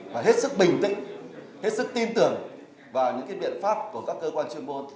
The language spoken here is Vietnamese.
và hết sức bình tĩnh hết sức tin tưởng vào những biện pháp của các cơ quan chuyên môn